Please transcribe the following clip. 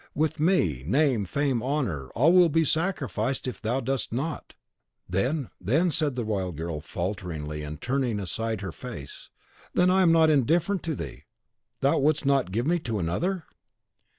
"With me. Name, fame, honour, all will be sacrificed if thou dost not." "Then then," said the wild girl, falteringly, and turning aside her face, "then I am not indifferent to thee; thou wouldst not give me to another?"